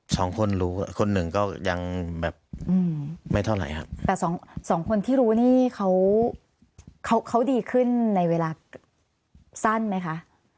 สองคนรู้คนหนึ่งก็ยังแบบอืมไม่เท่าไหร่ครับแต่สองสองคนที่รู้นี่เขาเขาดีขึ้นในเวลาสั้นไหมคะ